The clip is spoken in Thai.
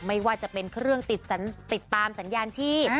ไม่ว่าจะเป็นเครื่องติดตามสัญญาณชีพ